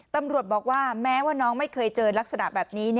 ตำรวจบอกว่าแม้ว่าน้องไม่เคยเจอลักษณะแบบนี้